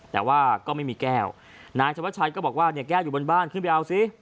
แต่ว่าก็ไม่มีแก้วนายธวัชชัยก็บอกว่าเนี่ยแก้วอยู่บนบ้านขึ้นไปเอาสิ